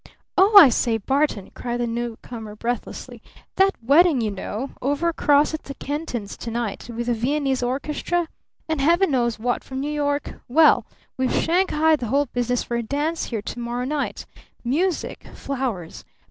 "Oh, I say, Barton!" cried the newcomer, breathlessly. "That wedding, you know, over across at the Kentons' to night, with the Viennese orchestra and Heaven knows what from New York? Well, we've shanghaied the whole business for a dance here to morrow night! Music! Flowers!